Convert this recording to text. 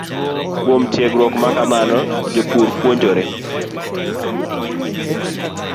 Kuom tiegruok ma kamano, jopur puonjore